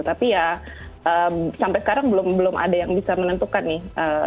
tapi ya sampai sekarang belum ada yang bisa menentukan nih